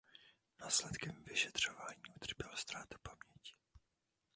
Následkem vyšetřování utrpěl ztrátu paměti.